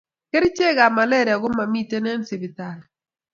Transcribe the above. Keriche malaria ko mamiten en sipitali